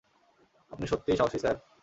আপনি সত্যিই সাহসী, স্যার।